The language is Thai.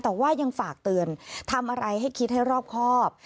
แต่ว่ายังฝากเตือนทำอะไรให้คิดให้รอบครอบ